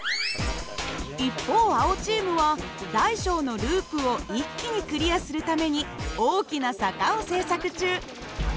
一方青チームは大小のループを一気にクリアするために大きな坂を製作中。